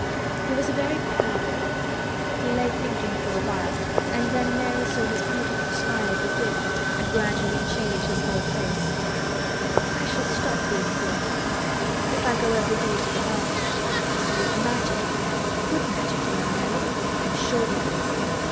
He was a very proud boy. He lay thinking for a while and then Mary saw his beautiful smile begin and gradually change his whole face. "I shall stop being queer," he said, "if I go every day to the garden. There is Magic in there—good Magic, you know, Mary. I am sure there is."